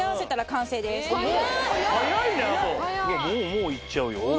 もう行っちゃうよおお。